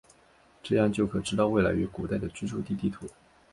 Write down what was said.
这样就可知道未来与古代的居住地地图。